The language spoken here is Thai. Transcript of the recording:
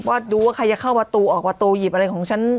ดูว่าใครจะเข้าประตูออกประตูหยิบอะไรของฉัน